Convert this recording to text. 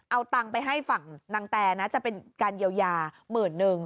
เอาตังค์ไปให้ฝั่งนางแตนะจะเป็นการเยียวยาหมื่นนึง